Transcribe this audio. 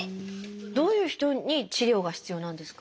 どういう人に治療が必要なんですか？